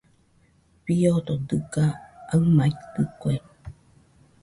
Fiodo dɨga aɨmaitɨkue.